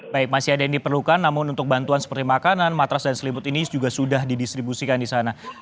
baik masih ada yang diperlukan namun untuk bantuan seperti makanan matras dan selimut ini juga sudah didistribusikan di sana